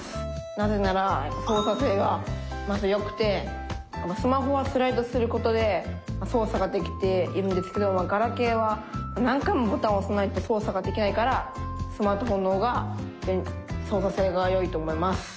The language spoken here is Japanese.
なぜならそうさ性がまずよくてスマホはスライドすることでそうさができているんですけどガラケーは何回もボタンをおさないとそうさができないからスマートフォンのほうがそうさ性がよいと思います。